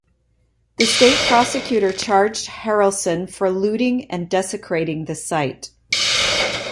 The state prosecutor charged Harelson for looting and desecrating the site.